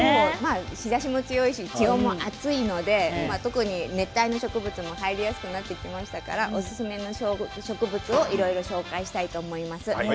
日ざしの強い日暑いので特に熱帯の植物も入りやすくなってきましたからおすすめの植物をいろいろご紹介したいと思います。